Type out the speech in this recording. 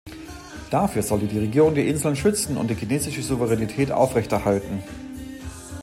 Dafür sollte die Regierung die Inseln schützen und die chinesische Souveränität aufrechterhalten.